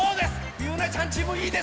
ゆうなちゃんチームいいですね。